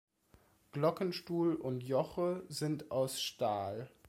Glockenstuhl und -joche sind aus Stahl.